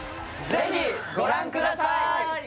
ぜひご覧ください